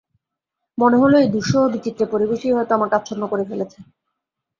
মনে হল এই দুঃসহ বিচিত্র পরিবেশই হয়তো আমাকে আচ্ছন্ন করে ফেলছে।